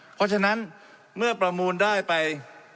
เพราะฉะนั้นเมื่อประมูลได้ไป